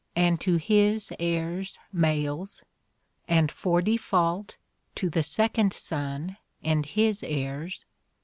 and to (his) heires males, ... and for defalt ... to the second sonne and (his) heires